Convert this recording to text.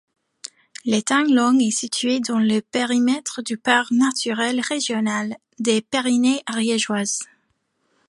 L’étang Long est situé dans le périmètre du parc naturel régional des Pyrénées ariégeoises.